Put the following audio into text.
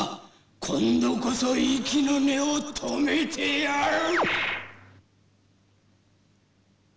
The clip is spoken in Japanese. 今度こそ息の根を止めてやる！